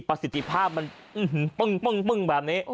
ประสิทธิภาพมันปึ้งแบบนี้